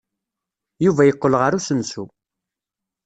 Yuba yeqqel ɣer usensu.